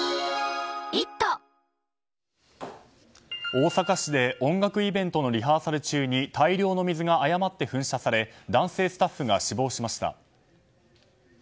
大阪市で音楽イベントのリハーサル中に大量の水が誤って噴射され男性スタッフが死亡しました。